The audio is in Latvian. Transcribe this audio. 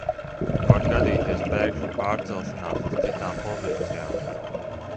Var gadīties pēkšņa pārcelšanās uz citām pozīcijām.